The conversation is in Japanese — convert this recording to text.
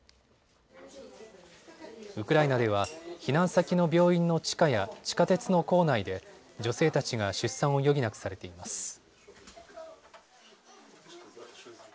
ウクライナでは避難先の病院の地下や地下鉄の構内で女性たちが出産を余儀なくされています。